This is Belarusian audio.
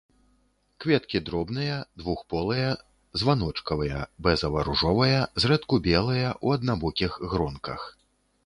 Кветкі дробныя, двухполыя, званочкавыя, бэзава-ружовыя, зрэдку белыя, у аднабокіх гронках.